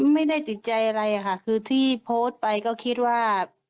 ไม่ได้ติดใจอะไรค่ะคือที่โพสต์ไปก็คิดว่า